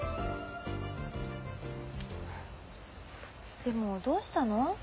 でもどうしたの？